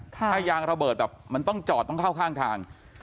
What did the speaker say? ถ้ายางระเบิดแบบมันต้องจอดต้องเข้าข้างทาง